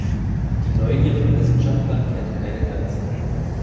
Die Neugier von Wissenschaftlern kennt keine Grenzen.